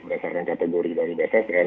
berdasarkan kategori dari bssn